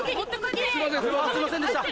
すいませんでした！